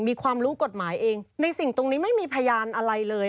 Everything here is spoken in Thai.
มีความรู้กฎหมายเองในสิ่งตรงนี้ไม่มีพยานอะไรเลย